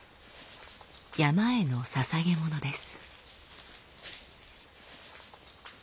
山への捧げ物です。